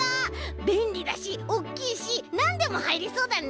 べんりだしおっきいしなんでもはいりそうだね！